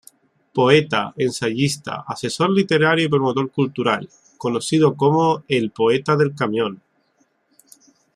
Poeta, ensayista, asesor literario y promotor cultural, conocido como "el Poeta del Camión".